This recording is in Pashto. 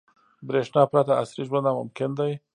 • برېښنا پرته عصري ژوند ناممکن دی.